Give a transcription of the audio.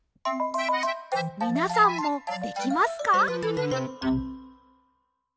みなさんもできますか？